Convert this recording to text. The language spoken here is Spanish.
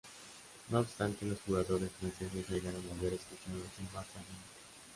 No obstante, los jugadores franceses negaron haber escuchado silbato alguno.